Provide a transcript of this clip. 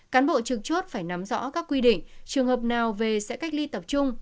cán bộ trực chốt phải nắm rõ các quy định trường hợp nào về sẽ cách ly tập trung